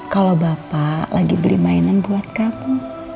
kalau bapak lagi beli mainan buat kamu